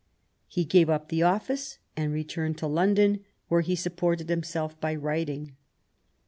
He gave up the oflSce and returned to London, where he supported himself by writing.